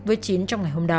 với chiến trong ngày hôm đó